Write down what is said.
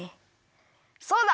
そうだ！